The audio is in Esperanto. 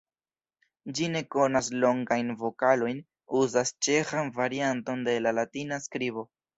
Ĝi ne konas longajn vokalojn, uzas ĉeĥan varianton de la latina skribo.